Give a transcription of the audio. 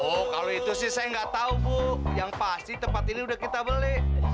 oh kalau itu sih saya nggak tahu bu yang pasti tempat ini sudah kita beli